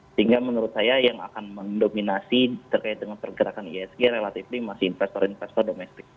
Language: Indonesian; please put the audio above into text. sehingga menurut saya yang akan mendominasi terkait dengan pergerakan ihsg relatif masih investor investor domestik